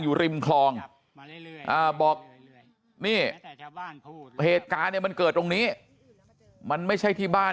อยู่ริมคลองบอกนี่เหตุการณ์เนี่ยมันเกิดตรงนี้มันไม่ใช่ที่บ้าน